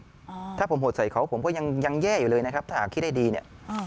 อ่าถ้าผมโหดใส่เขาผมก็ยังยังแย่อยู่เลยนะครับถ้าหากคิดได้ดีเนี้ยอ่า